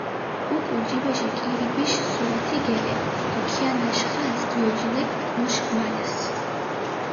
უკულ ჯიბეშე კირიბიშ სურათი გელეღჷ დო ქიანაშ ხანს გიოჯინედჷ მუშ ღმალას.